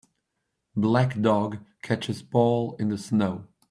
Black dog catches ball in the snow.